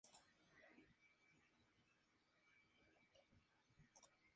La preparatoria puede usar la pieza en la nueva renovación o mostrarlo solo.